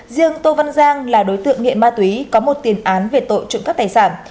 riêng tô văn giang là đối tượng nghiện ma túy có một tiền án về tội trụng cấp tài sản